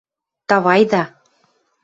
– Тавайда!